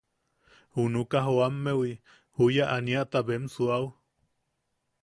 Junuka jooammewi, juya aniata bem suuaʼu.